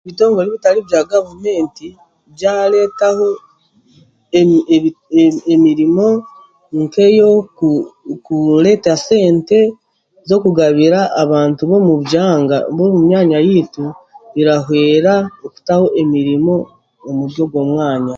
Ebitongore ebitari bya gavumenti byareetaho emirimo, nk'ey'oku ku kureeta sente, z'okugabira abantu b'omu byanga y'omu myanya yaitu, birahwera obutabona emirimo omuri ogwo mwanya.